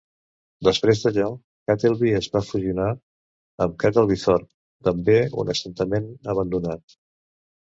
Després d'allò, Kettleby es va fusionar amb Kettleby Thorpe, també un assentament abandonat.